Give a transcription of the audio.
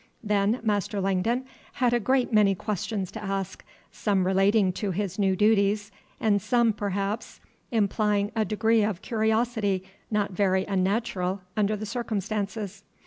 Then Master Langdon had a great many questions to ask, some relating to his new duties, and some, perhaps, implying a degree of curiosity not very unnatural under the circumstances.